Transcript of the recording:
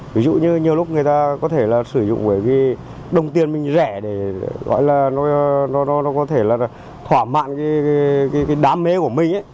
ví dụ như nhiều lúc người ta có thể sử dụng đồng tiền mình rẻ để gọi là nó có thể là thỏa mạng cái đam mê của mình